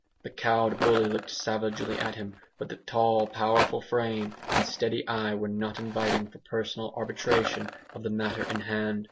The cowed bully looked savagely at him; but the tall powerful frame and steady eye were not inviting for personal arbitration of the matter in hand.